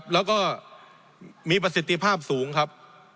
แล้วก็มีประสิทธิภาพสูงครับ